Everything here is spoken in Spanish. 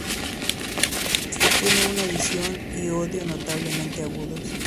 Tiene una visión y oído notablemente agudos.